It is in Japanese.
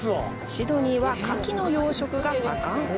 シドニーは牡蠣の養殖が盛ん。